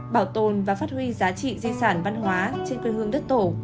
bảo tồn và phát huy giá trị di sản văn hóa trên quê hương đất tổ